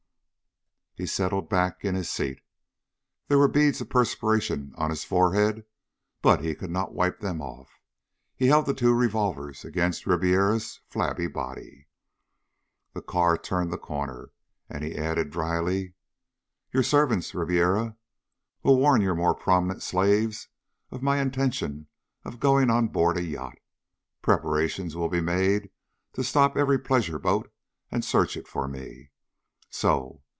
He settled back in his seat. There were beads of perspiration on his forehead, but he could not wipe them off. He held the two revolvers against Ribiera's flabby body. The car turned the corner, and he added dryly: "Your servants, Ribiera, will warn your more prominent slaves of my intention of going on board a yacht. Preparations will be made to stop every pleasure boat and search it for me. So